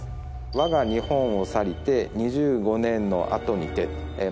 「わが日本を去りて２５年の後にて」って。